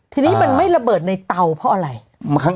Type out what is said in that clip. ทีนี้มันไม่ระเบิดในเตาเพราะอะไร